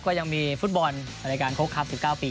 ก็ยังมีฟุตบอลในการครบครับ๑๙ปี